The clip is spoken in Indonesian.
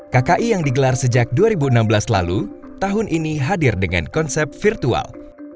kki yang digelar sejak dua ribu enam belas lalu tahun ini hadir dengan konsep virtual